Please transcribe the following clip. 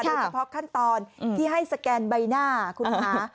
เฉพาะขั้นตอนที่ให้สแกนใบหน้าคุณคะ